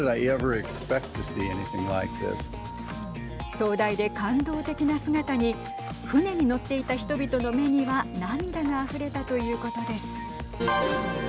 壮大で感動的な姿に船に乗っていた人々の目には涙があふれたということです。